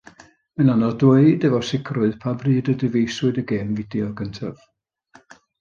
Mae'n anodd dweud, efo sicrwydd, pa bryd y dyfeisiwyd y gêm fideo gyntaf.